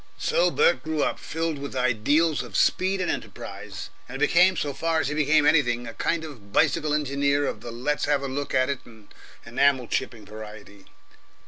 So Bert grew up, filled with ideals of speed and enterprise, and became, so far as he became anything, a kind of bicycle engineer of the let's have a look at it and enamel chipping variety.